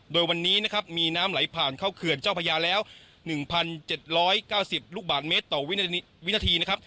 โดยวันนี้นะครับมีน้ำไหลผ่านเข้าเขื่อนเจ้าพญาแล้ว๑๗๙๐ลูกบาทเมตรต่อวินาทีนะครับ